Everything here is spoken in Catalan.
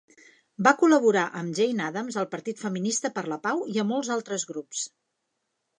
Va col·laborar amb Jane Addams al Partit Feminista per la Pau i a molts altres grups.